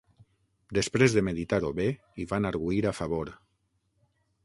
Després de meditar-ho bé, hi van argüir a favor.